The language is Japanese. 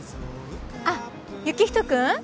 あっ行人くん？